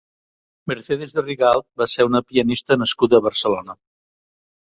Mercedes de Rigalt va ser una pianista nascuda a Barcelona.